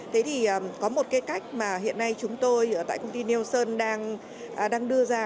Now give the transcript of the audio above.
thế thì có một cái cách mà hiện nay chúng tôi tại công ty nielsen đang đưa ra